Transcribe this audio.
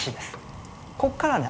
ここからね